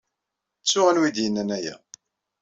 Ttuɣ anwa ay d-yennan aya.